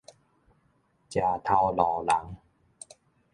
食頭路人